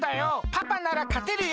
パパならかてるよ。